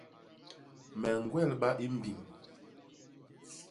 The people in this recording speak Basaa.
Me ñgwelba i mbiñ.